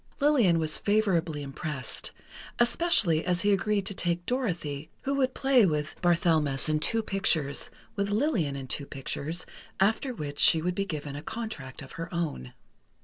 Lillian was favorably impressed, especially as he agreed to take Dorothy, who would play with Barthelmess in two pictures, with Lillian in two pictures, after which she would be given a contract of her own.